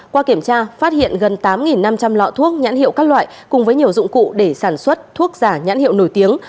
qua kiểm tra phát hiện gần tám năm trăm linh lọ thuốc nhãn hiệu các loại cùng với nhiều dụng cụ để sản xuất thuốc giả nhãn hiệu nổi tiếng